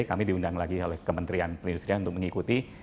kami diundang lagi oleh kementerian perindustrian untuk mengikuti